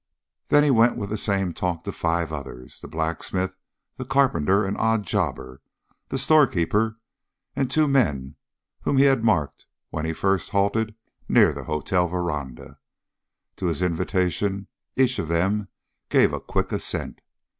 Then he went with the same talk to five others the blacksmith, the carpenter and odd jobber, the storekeeper, and two men whom he had marked when he first halted near the hotel veranda. To his invitation each of them gave a quick assent.